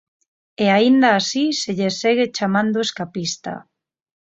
E aínda así se lle segue chamando escapista.